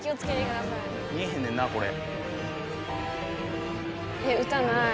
見えへんねんなこれ。